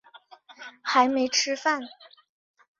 还没吃饭